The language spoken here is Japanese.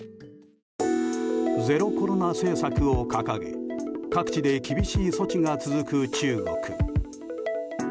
ゼロコロナ政策を掲げ各地で厳しい措置が続く中国。